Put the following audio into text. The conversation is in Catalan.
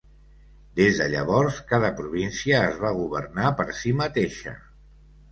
Des de llavors, cada província es va governar per si mateixa.